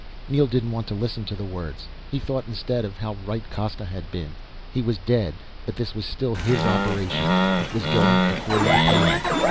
Neel didn't want to listen to the words, he thought instead of how right Costa had been. He was dead, but this was still his operation. It was going according to plan.